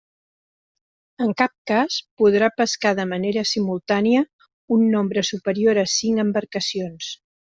En cap cas podrà pescar de manera simultània un nombre superior a cinc embarcacions.